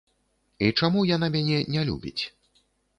І чаму яна мяне не любіць?